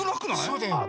そうだよ。